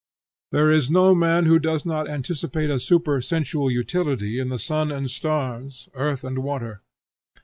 There is no man who does not anticipate a supersensual utility in the sun and stars, earth and water.